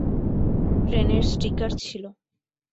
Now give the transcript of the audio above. ট্রেনের স্টিকার ছিল।